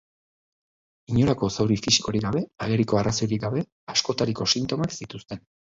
Inolako zauri fisikorik gabe, ageriko arrazoirik gabe, askotariko sintomak zituzten.